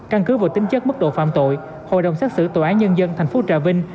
căn cứ vào tính chất mức độ phạm tội hội đồng xét xử tòa án nhân dân thành phố trà vinh